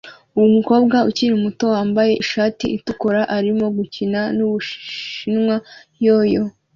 Umukobwa ukiri muto wambaye ishati itukura arimo gukina nu bushinwa yo-yo